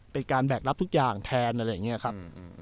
เป็นการแบกรับทุกอย่างแทนอะไรอย่างนี้ครับ